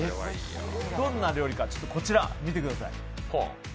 どんな料理か、こちら見てください